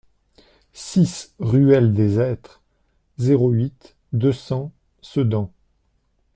six ruelle des Hêtres, zéro huit, deux cents Sedan